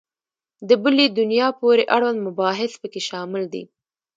د بلي دنیا پورې اړوند مباحث په کې شامل دي.